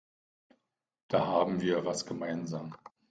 Da haben wir was gemeinsam.